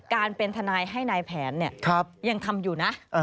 การเป็นทนายให้นายแผนยังทำอยู่นะ